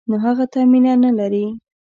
نو هغه ته مینه نه لري.